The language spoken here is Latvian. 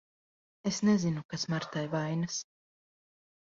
Es nezinu, kas Martai vainas.